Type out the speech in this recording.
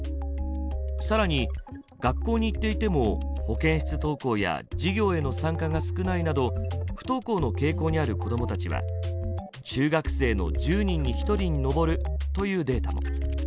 さらに学校に行っていても保健室登校や授業への参加が少ないなど不登校の傾向にある子供たちは中学生の１０人に１人に上るというデータも。